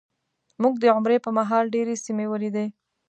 موږ د عمرې په مهال ډېرې سیمې ولیدې.